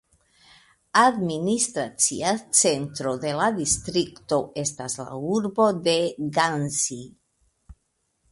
Administracia centro de la distrikto estas la urbo de Ghanzi.